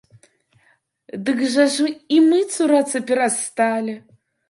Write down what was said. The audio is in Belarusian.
Дык жа ж і мы цурацца перасталі.